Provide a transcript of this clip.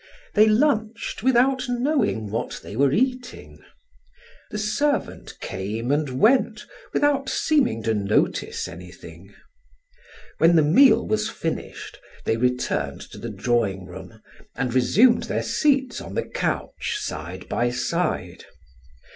They lunched without knowing what they were eating. The servant came and went without seeming to notice anything. When the meal was finished, they returned to the drawing room and resumed their seats on the couch side by side.